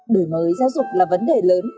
đổi mới giáo dục là vấn đề lớn